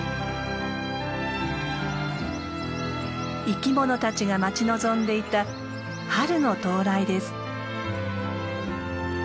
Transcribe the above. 生きものたちが待ち望んでいた春の到来です。